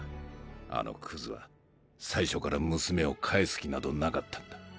あのクズは最初から娘を返す気などなかったんだ。